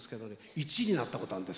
１位になったことあるんです